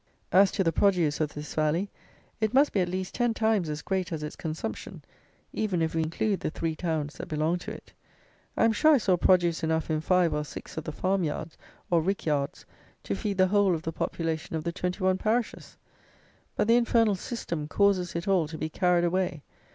As to the produce of this valley, it must be at least ten times as great as its consumption, even if we include the three towns that belong to it. I am sure I saw produce enough in five or six of the farm yards, or rick yards, to feed the whole of the population of the twenty one parishes. But the infernal system causes it all to be carried away.